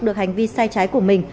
được hành vi sai trái của mình